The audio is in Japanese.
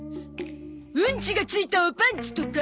ウンチがついたおパンツとか。